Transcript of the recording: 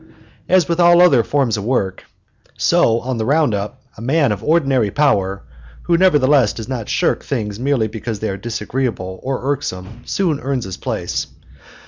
As with all other forms of work, so on the round up, a man of ordinary power, who nevertheless does not shirk things merely because they are disagreeable or irksome, soon earns his place.